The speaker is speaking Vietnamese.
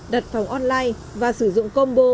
đặt phòng online và sử dụng combo